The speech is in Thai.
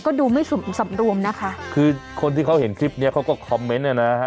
ก็ดูไม่สมสำรวมนะคะคือคนที่เขาเห็นคลิปเนี้ยเขาก็คอมเมนต์เนี่ยนะฮะ